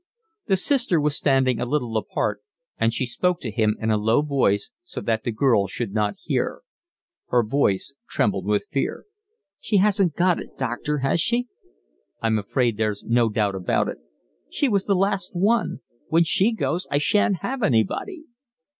The sister was standing a little apart and she spoke to him in a low voice, so that the girl should not hear. Her voice trembled with fear. "She hasn't got it, doctor, has she?" "I'm afraid there's no doubt about it." "She was the last one. When she goes I shan't have anybody."